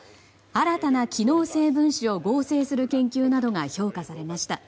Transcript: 新たな機能性分子を合成する研究などが評価されました。